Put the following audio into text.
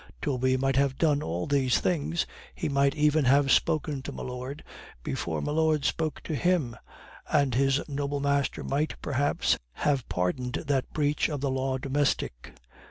Toby might have done all these things, he might even have spoken to milord before milord spoke to him, and his noble master might, perhaps, have pardoned that breach of the law domestic.